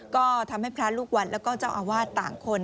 ก็ทำให้พระลูกวัดแล้วก็เจ้าอาวาสต่างคน